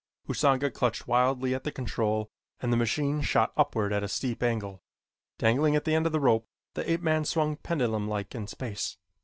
Usanga clutched wildly at the control and the machine shot upward at a steep angle. Dangling at the end of the rope the ape man swung pendulum like in space.